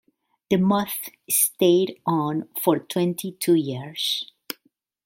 DeMuth stayed on for twenty-two years.